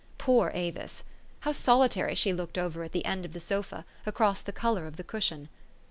Poor Avis ! How solitary she looked over at the end of the sofa, across the color of the cushion.